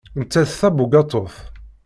Nettat d tabugaṭut.